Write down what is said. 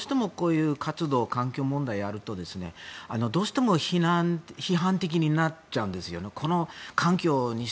陽気で前向きなやり方でどうしてもこういう環境運動をやるとどうしても批判的になっちゃうんですよね。